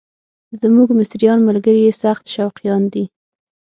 زموږ مصریان ملګري یې سخت شوقیان دي.